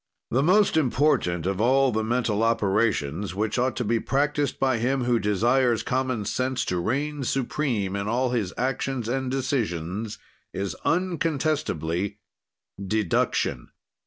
"The most important of all the mental operations which ought to be practised by him who desires common sense to reign supreme in all his actions and decisions, is incontestably deduction.